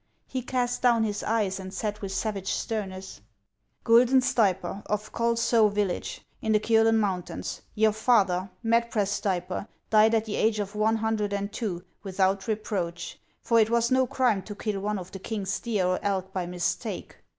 He cast down his eyes, and said with savage sternness :" Guidon Stay per, of Chol Su1, village, iu the Kiolen mountains, your father, Medprath .Stay per, died at the age of one hundred and two, without reproach : for it was no crime to kill one of the king's deer or elk by mistake.